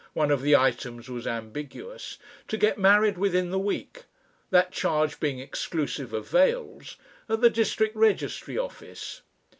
(one of the items was ambiguous) to get married within the week that charge being exclusive of vails at the district registry office.